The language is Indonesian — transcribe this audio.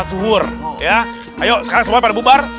dihur ya ayo sekarang semua pada bubar satu dua tiga